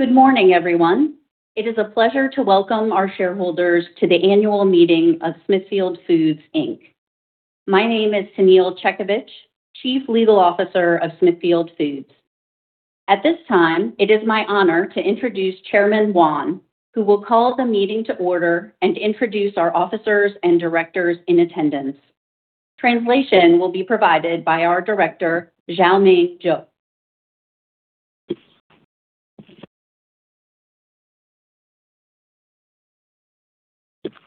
Good morning, everyone. It is a pleasure to welcome our shareholders to the annual meeting of Smithfield Foods, Inc. My name is Tennille Checkovich, Chief Legal Officer of Smithfield Foods. At this time, it is my honor to introduce Chairman Wan, who will call the meeting to order and introduce our officers and directors in attendance. Translation will be provided by our director,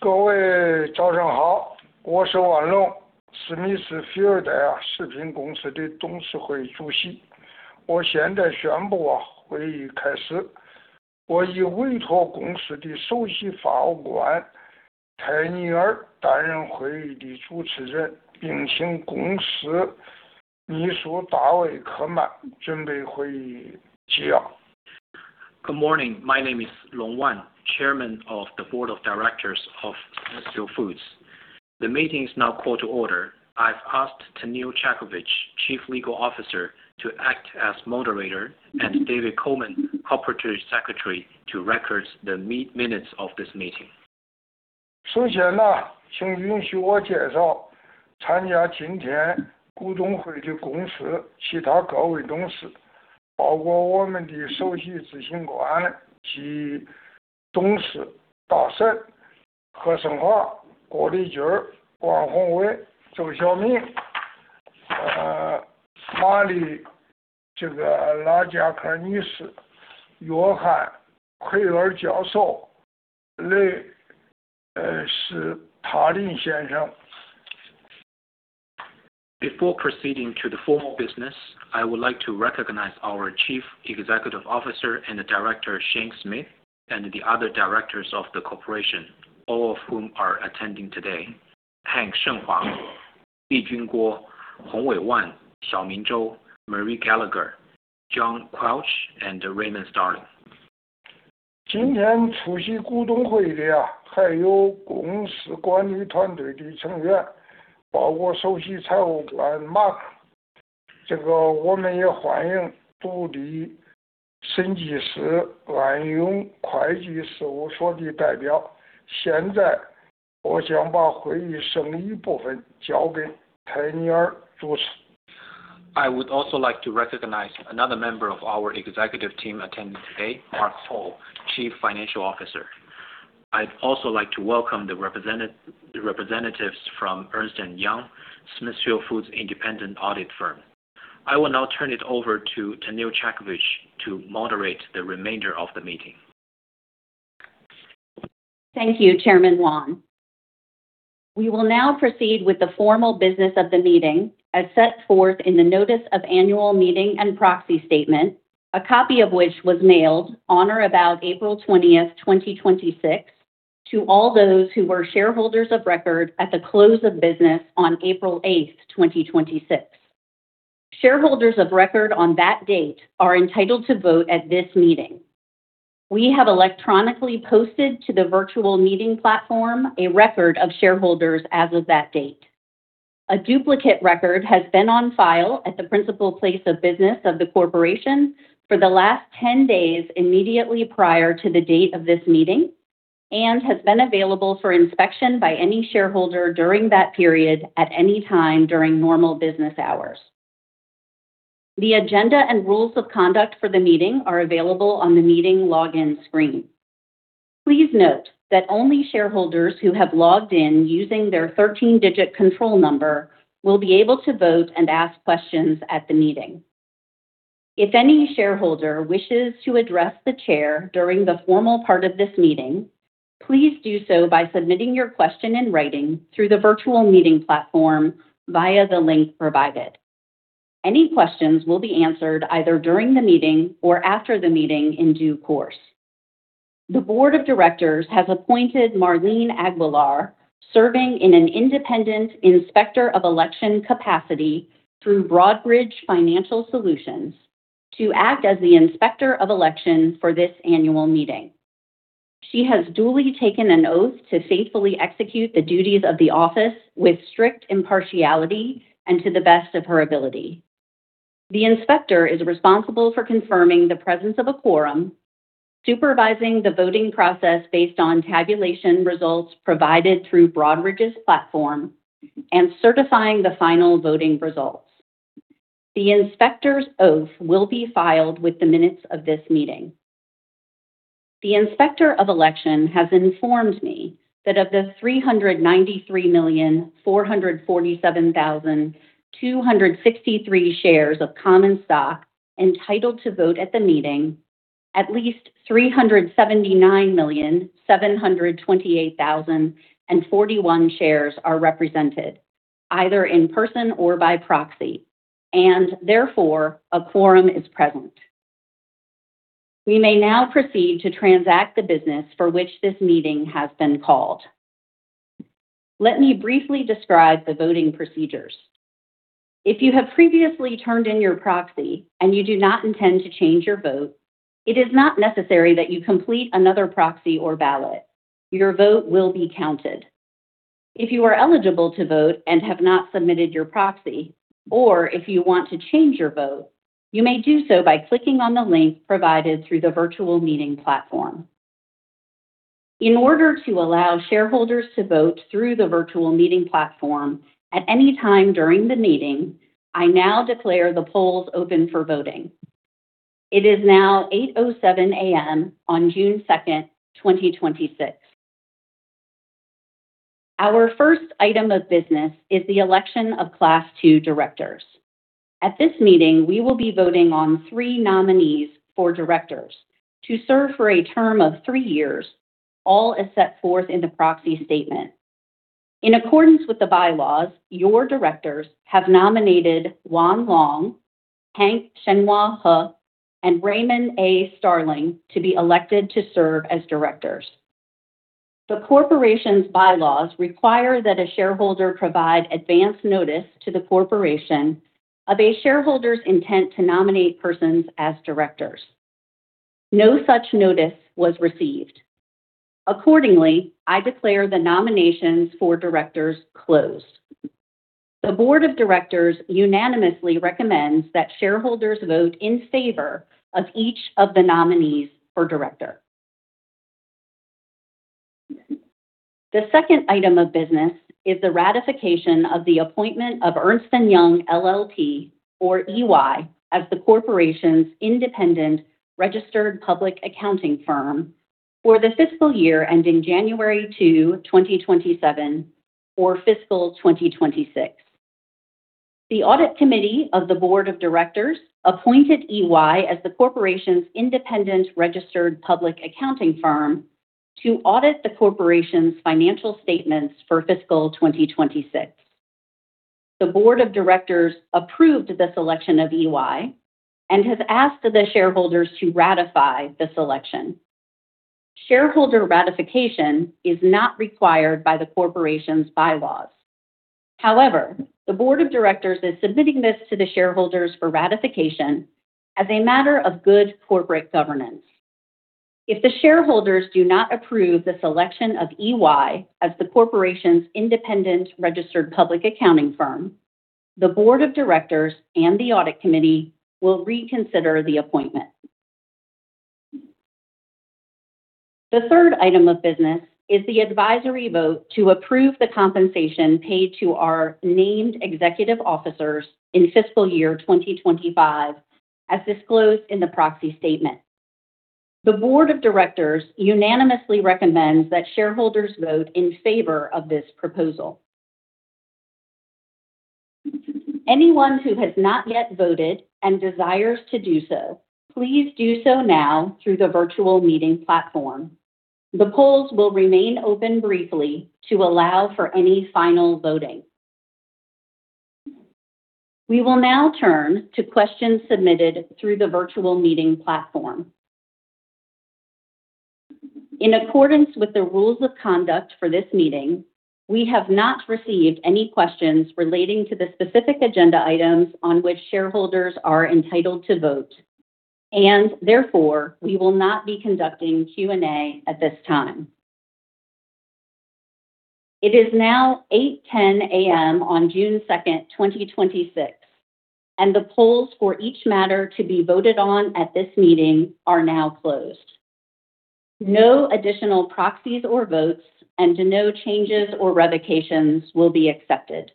Xiaoming Zhou. Good morning. My name is Long Wan, Chairman of the Board of Directors of Smithfield Foods. The meeting is now called to order. I've asked Tennille Checkovich, Chief Legal Officer, to act as moderator, and David Coleman, Corporate Secretary, to record the minutes of this meeting. Before proceeding to the formal business, I would like to recognize our Chief Executive Officer and Director, Shane Smith, and the other directors of the corporation, all of whom are attending today: Hank Shenghua He, Lijun Guo, Hongwei Wan, Xiaoming Zhou, Marie Gallagher, John Crouch, and Raymond Starling. I would also like to recognize another member of our executive team attending today, Mark Hall, Chief Financial Officer. I'd also like to welcome the representatives from Ernst & Young, Smithfield Foods' independent audit firm. I will now turn it over to Tennille Checkovich to moderate the remainder of the meeting. Thank you, Chairman Wan. We will now proceed with the formal business of the meeting as set forth in the notice of annual meeting and proxy statement, a copy of which was mailed on or about April 20th, 2026 to all those who were shareholders of record at the close of business on April 8th, 2026. Shareholders of record on that date are entitled to vote at this meeting. We have electronically posted to the virtual meeting platform a record of shareholders as of that date. A duplicate record has been on file at the principal place of business of the corporation for the last 10 days immediately prior to the date of this meeting and has been available for inspection by any shareholder during that period at any time during normal business hours. The agenda and rules of conduct for the meeting are available on the meeting login screen. Please note that only shareholders who have logged in using their 13-digit control number will be able to vote and ask questions at the meeting. If any shareholder wishes to address the chair during the formal part of this meeting, please do so by submitting your question in writing through the virtual meeting platform via the link provided. Any questions will be answered either during the meeting or after the meeting in due course. The board of directors has appointed Marlene Aguilar, serving in an independent inspector of election capacity through Broadridge Financial Solutions to act as the inspector of election for this annual meeting. She has duly taken an oath to faithfully execute the duties of the office with strict impartiality and to the best of her ability. The inspector is responsible for confirming the presence of a quorum, supervising the voting process based on tabulation results provided through Broadridge's platform, and certifying the final voting results. The inspector's oath will be filed with the minutes of this meeting. The Inspector of Election has informed me that of the 393,447,263 shares of common stock entitled to vote at the meeting, at least 379,728,041 shares are represented, either in person or by proxy, and therefore, a quorum is present. We may now proceed to transact the business for which this meeting has been called. Let me briefly describe the voting procedures. If you have previously turned in your proxy and you do not intend to change your vote, it is not necessary that you complete another proxy or ballot. Your vote will be counted. If you are eligible to vote and have not submitted your proxy, or if you want to change your vote, you may do so by clicking on the link provided through the virtual meeting platform. In order to allow shareholders to vote through the virtual meeting platform at any time during the meeting, I now declare the polls open for voting. It is now 8:00 A.M. on June second, 2026. Our first item of business is the election of Class two directors. At this meeting, we will be voting on three nominees for directors to serve for a term of three years, all as set forth in the proxy statement. In accordance with the bylaws, your directors have nominated Wan Long, Hank Shenghua He, and Raymond A. Starling to be elected to serve as directors. The corporation's bylaws require that a shareholder provide advance notice to the corporation of a shareholder's intent to nominate persons as directors. No such notice was received. Accordingly, I declare the nominations for directors closed. The board of directors unanimously recommends that shareholders vote in favor of each of the nominees for director. The second item of business is the ratification of the appointment of Ernst & Young LLP, or EY, as the corporation's independent registered public accounting firm for the fiscal year ending January 2, 2027, or fiscal 2026. The audit committee of the board of directors appointed EY as the corporation's independent registered public accounting firm to audit the corporation's financial statements for fiscal 2026. The board of directors approved the selection of EY and has asked the shareholders to ratify the selection. Shareholder ratification is not required by the corporation's bylaws. However, the board of directors is submitting this to the shareholders for ratification as a matter of good corporate governance. If the shareholders do not approve the selection of EY as the corporation's independent registered public accounting firm, the board of directors and the audit committee will reconsider the appointment. The third item of business is the advisory vote to approve the compensation paid to our named executive officers in fiscal year 2025, as disclosed in the proxy statement. The board of directors unanimously recommends that shareholders vote in favor of this proposal. Anyone who has not yet voted and desires to do so, please do so now through the virtual meeting platform. The polls will remain open briefly to allow for any final voting. We will now turn to questions submitted through the virtual meeting platform. In accordance with the rules of conduct for this meeting, we have not received any questions relating to the specific agenda items on which shareholders are entitled to vote, and therefore, we will not be conducting Q&A at this time. It is now 8:00 A.M. on June 2, 2026, and the polls for each matter to be voted on at this meeting are now closed. No additional proxies or votes and no changes or revocations will be accepted.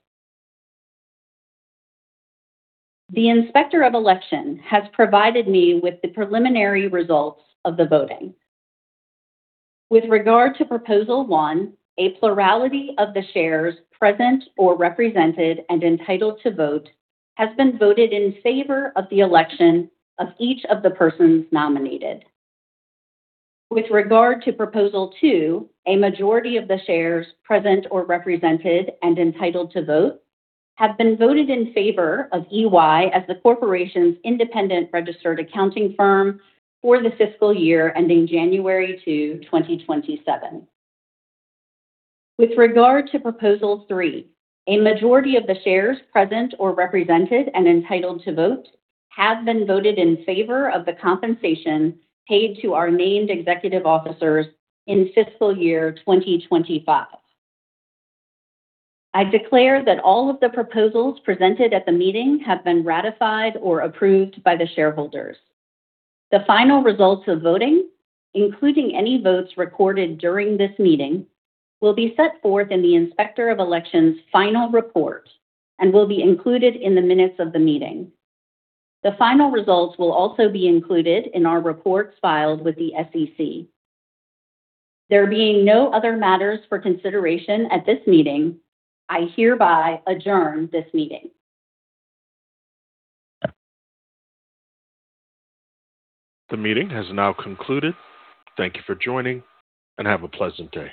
The Inspector of Election has provided me with the preliminary results of the voting. With regard to proposal one, a plurality of the shares present or represented and entitled to vote has been voted in favor of the election of each of the persons nominated With regard to proposal two, a majority of the shares present or represented and entitled to vote have been voted in favor of EY as the corporation's independent registered accounting firm for the fiscal year ending January 2, 2027. With regard to proposal three, a majority of the shares present or represented and entitled to vote have been voted in favor of the compensation paid to our named executive officers in fiscal year 2025. I declare that all of the proposals presented at the meeting have been ratified or approved by the shareholders. The final results of voting, including any votes recorded during this meeting, will be set forth in the Inspector of Election's final report and will be included in the minutes of the meeting. The final results will also be included in our reports filed with the SEC. There being no other matters for consideration at this meeting, I hereby adjourn this meeting. The meeting has now concluded. Thank you for joining, and have a pleasant day.